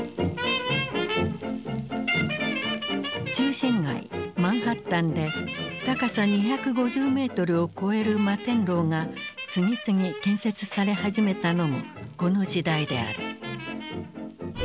中心街マンハッタンで高さ２５０メートルを超える摩天楼が次々建設され始めたのもこの時代である。